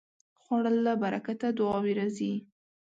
خوړل له برکته دعاوې راځي